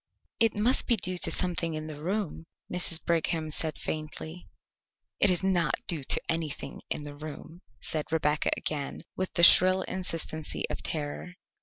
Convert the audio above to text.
"It must be due to something in the room," Mrs. Brigham said faintly. "It is not due to anything in the room," said Rebecca again with the shrill insistency of terror.